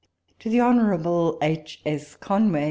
To THE Hon. H. S. Conway.